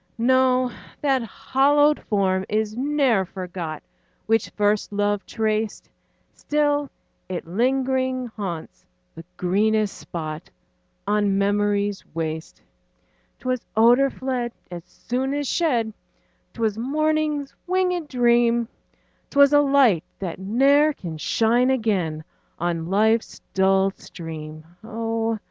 No, that hallowed form is ne'er forgot Which first love traced; Still it lingering haunts the greenest spot On memory's waste. 'Twas odor fled As soon as shed; 'Twas morning's winged dream; 'Twas a light, that ne'er can shine again On life's dull stream: Oh!